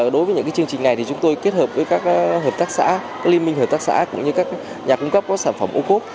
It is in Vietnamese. đối với những chương trình này chúng tôi kết hợp với các liên minh hợp tác xã các nhà cung cấp có sản phẩm ô cốp